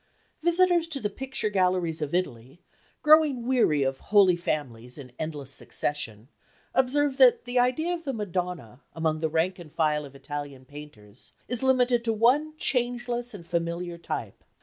Visitors to the picture galleries of Italy, growing weary of Holy Families in endless succession, observe that the idea of the Madonna, among the rank and file of Italian Painters, is limited to one changeless and familiar type.